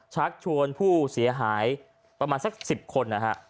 ชักชวนผู้เสียหายประมาณสัก๑๐คนนะฮะ